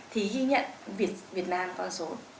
thì ghi nhận việt nam con số